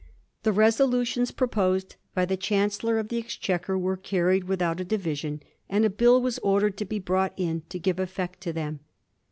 The resolutions proposed by the Chancellor of the Exchequer were carried without a division, and a bill was ordered to be brought in to give effect to them.